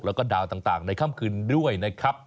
แล้วก็ดาวต่างในค่ำคืนด้วยนะครับ